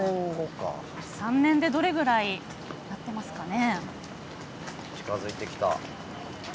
３年でどれぐらい変わりますかね。